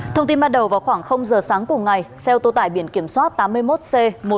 thông tin bắt đầu vào khoảng giờ sáng cùng ngày xe ô tô tải biển kiểm soát tám mươi một c một mươi một nghìn một trăm hai mươi năm